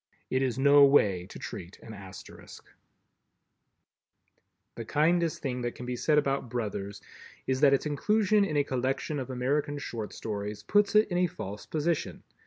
It is no way to treat an Asterisk. The kindest thing that can be said of "Brothers" is that its inclusion in a collection of American Short Stories puts it in a false position.